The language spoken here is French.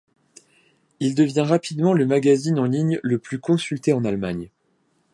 Il devient rapidement le magazine en ligne le plus consulté en Allemagne.